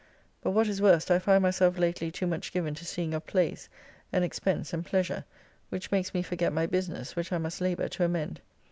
But what is worst, I find myself lately too much given to seeing of plays, and expense, and pleasure, which makes me forget my business, which I must labour to amend.